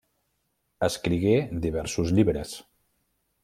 Escrigué diversos llibres.